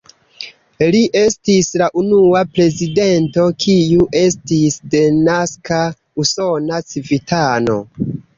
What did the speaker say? Li estis la unua prezidento, kiu estis denaska usona civitano.